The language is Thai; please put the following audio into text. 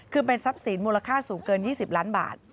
คือเป็นทรัพย์สินมูลค่าสูงเกิน๒๐ล้านบาท